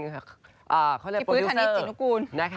เขาเรียกว่าโปรดิวเซอร์พี่ปื๊ดธนิดจิตนกูล